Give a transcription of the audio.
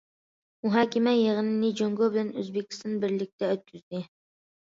مۇھاكىمە يىغىنىنى جۇڭگو بىلەن ئۆزبېكىستان بىرلىكتە ئۆتكۈزدى.